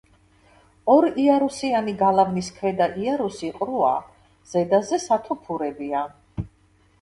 ორიარუსიანი გალავნის ქვედა იარუსი ყრუა, ზედაზე სათოფურებია.